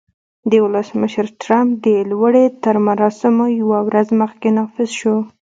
د ولسمشر ټرمپ د لوړې تر مراسمو یوه ورځ مخکې نافذ شو